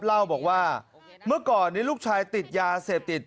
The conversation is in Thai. เล่าบอกว่าเมื่อก่อนนี้ลูกชายติดยาเสพติด